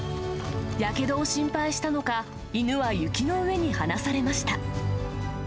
やけどを心配したのか、犬は雪の上に放されました。